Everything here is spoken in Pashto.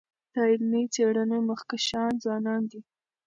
د علمي څېړنو مخکښان ځوانان دي.